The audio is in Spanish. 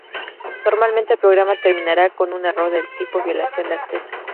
Normalmente el programa terminará con un error del tipo violación de acceso.